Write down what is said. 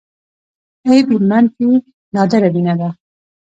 اې بي منفي نادره وینه ده